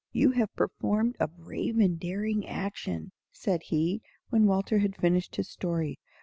"You have performed a brave and daring action," said he, when Walter had finished his story.